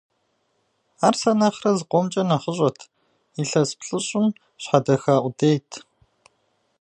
Ар сэ нэхърэ зыкъомкӀэ нэхъыщӀэт, илъэс плӀыщӀым щхьэдэха къудейт.